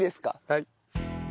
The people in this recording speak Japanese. はい。